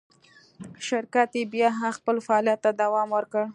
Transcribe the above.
شرکت یې بیا هم خپل فعالیت ته دوام ورکړ.